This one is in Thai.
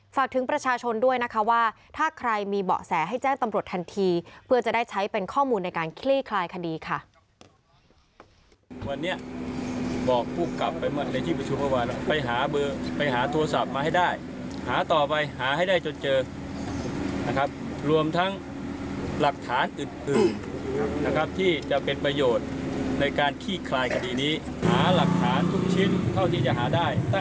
ฝากถึงประชาชนด้วยนะคะว่าถ้าใครมีเบาะแสให้แจ้งตำรวจทันทีเพื่อจะได้ใช้เป็นข้อมูลในการคลี่คลายคดีค่ะ